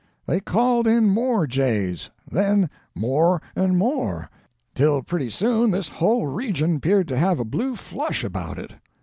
"They called in more jays; then more and more, till pretty soon this whole region 'peared to have a blue flush about it.